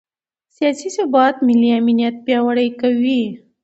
سیاسي ثبات ملي امنیت پیاوړی کوي